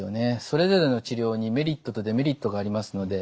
それぞれの治療にメリットとデメリットがありますので。